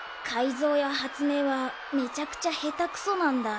ぞうやはつめいはめちゃくちゃへたくそなんだ。